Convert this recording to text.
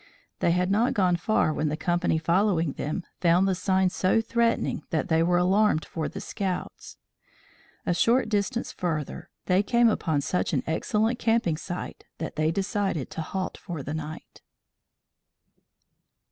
They had not gone far, when the company following them found the signs so threatening that they were alarmed for the scouts. A short distance further they came upon such an excellent camping site that they decided to halt for the night.